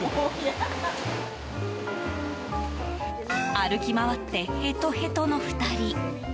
歩き回ってへとへとの２人。